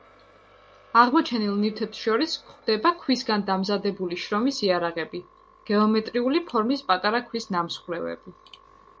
აღმოჩენილ ნივთებს შორის გვხვდება ქვისგან დამზადებული შრომის იარაღები, გეომეტრიული ფორმის პატარა ქვის ნამსხვრევები.